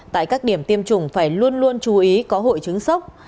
tại các điểm tiêm chủng phải luôn luôn chú ý có hội chứng sốc